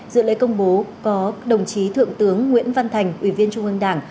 dự lễ công bố có đồng chí thượng tướng nguyễn văn thành ủy viên trung ương đảng